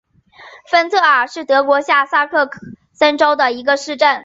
芬特尔是德国下萨克森州的一个市镇。